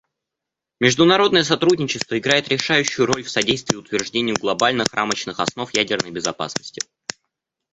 Международное сотрудничество играет решающую роль в содействии утверждению глобальных рамочных основ ядерной безопасности.